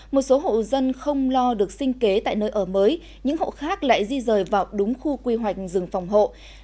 một số hộ dân không lo được sinh kế tại nơi ở mới những hộ khác lại di rời vào đúng khu quy hoạch rừng phòng hộ